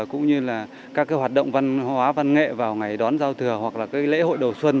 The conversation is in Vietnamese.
cũng như là các cái hoạt động văn hóa văn nghệ vào ngày đón giao thừa hoặc là các lễ hội đầu xuân